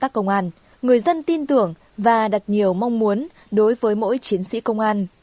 trong đó có công tác công an người dân tin tưởng và đặt nhiều mong muốn đối với mỗi chiến sĩ công an